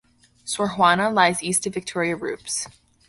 Sor Juana lies east of Victoria Rupes.